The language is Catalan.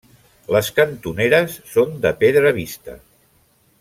Les cantoneres són de pedra vista.